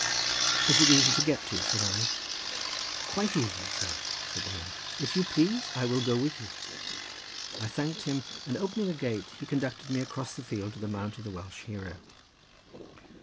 "Is it easy to get to?" said I. "Quite easy, sir," said the man. "If you please I will go with you." I thanked him, and opening a gate he conducted me across the field to the mount of the Welsh hero.